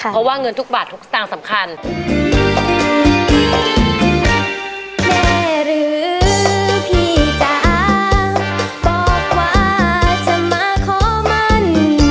เพราะว่าเงินทุกบาททุกสตางค์สำคัญ